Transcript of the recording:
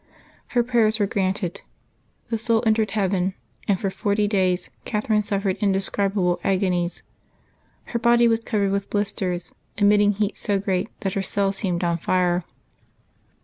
Her prayer was granted. The soul entered heaven, and for forty days Catherine suffered indescribable agonies. Her body was covered with blisters, emitting heat so great that her cell seemed on fire.